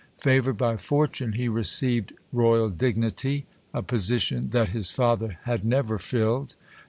Favored by fortune, he received royal dignity, a position that his father had never filled.